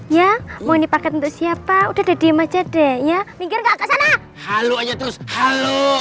ya mau ini paket untuk siapa udah udah diem aja new ya jemput them aja terus halo